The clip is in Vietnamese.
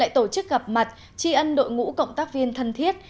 tổ chức gặp mặt tri ân đội ngũ cộng tác viên thân thiết